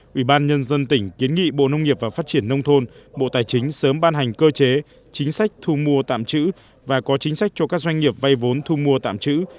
quỹ ban nhân dân tỉnh kiến nghị bộ nông nghiệp và phát triển nông thôn bộ tài chính sớm ban hành cơ chế chính sách thu mua tạm trữ và có chính sách cho các doanh nghiệp vay vốn thu mua tạm trữ